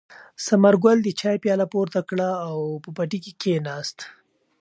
ثمرګل د چای پیاله پورته کړه او په پټي کې کېناست.